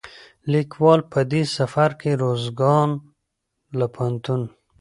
ليکوال په دې سفر کې روزګان له پوهنتون،